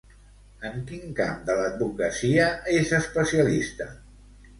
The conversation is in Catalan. En quin camp de l'advocacia és especialista?